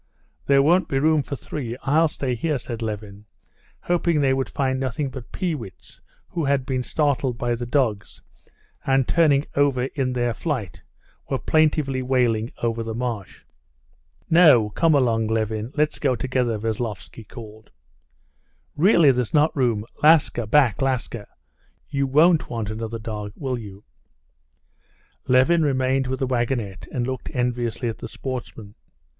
"There won't be room for three. I'll stay here," said Levin, hoping they would find nothing but peewits, who had been startled by the dogs, and turning over in their flight, were plaintively wailing over the marsh. "No! Come along, Levin, let's go together!" Veslovsky called. "Really, there's not room. Laska, back, Laska! You won't want another dog, will you?" Levin remained with the wagonette, and looked enviously at the sportsmen.